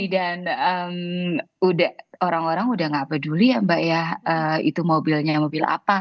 dan orang orang sudah tidak peduli ya mbak ya itu mobilnya mobil apa